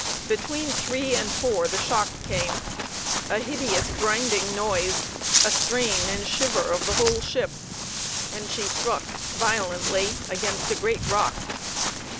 Between three and four the shock came a hideous grinding noise, a strain and shiver of the whole ship, and she struck violently against a great rock.